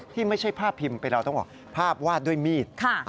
ที่ไม่ใช่ภาพพิมพ์ไปเราต้องบอกภาพวาดด้วยมีด